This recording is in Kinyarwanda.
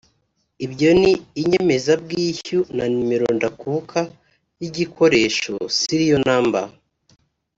ibyo ni inyemezabwishyu na nimero ndakuka y’igikoresho ‘’Serial number’’